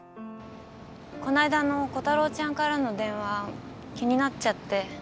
この間のコタローちゃんからの電話気になっちゃって。